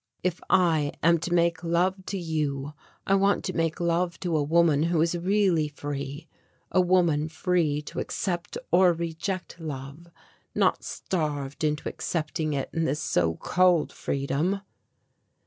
If I am to make love to you I want to make love to a woman who is really free; a woman free to accept or reject love, not starved into accepting it in this so called freedom."